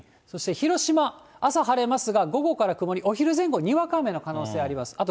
そして広島、朝晴れますが、午後から曇り、お昼前後、にわか雨の可能性あります。